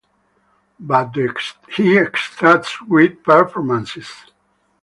But, he extracts great performances.